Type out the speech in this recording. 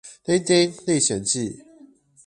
丁丁歷險記